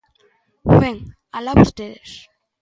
Ben, ¡alá vostedes!